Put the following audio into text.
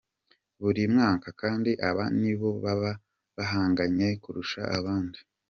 buri mwaka kandi, aba ni bo baba bahanganye kurusha abandi.